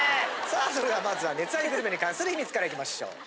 さあそれではまずは熱愛グルメに関する秘密からいきましょう。